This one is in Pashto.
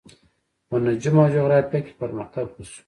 په نجوم او جغرافیه کې پرمختګ وشو.